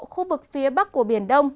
khu vực phía bắc của biển đông